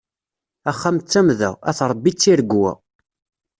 Axxam d tamda, at Ṛebbi d tiregwa.